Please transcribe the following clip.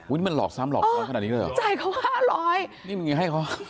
มันหลอกซ้ำหลอกร้อนขนาดนี้เลยเหรอจ่ายเขาห้าร้อยนี่มันไงให้เขา